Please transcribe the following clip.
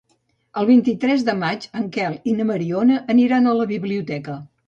El vint-i-tres de maig en Quel i na Mariona aniran a la biblioteca.